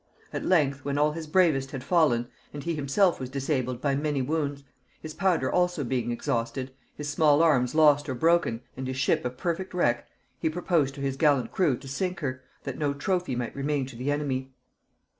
At length, when all his bravest had fallen, and he himself was disabled by many wounds; his powder also being exhausted, his small arms lost or broken, and his ship a perfect wreck, he proposed to his gallant crew to sink her, that no trophy might remain to the enemy.